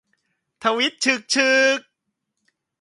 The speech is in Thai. ทวีตฉึกฉึก